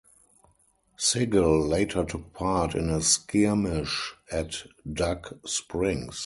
Sigel later took part in a skirmish at Dug Springs.